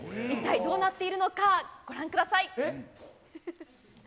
一体どうなっているのか、ご覧ください。